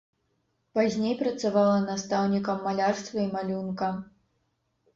Пазней працавала настаўнікам малярства і малюнка.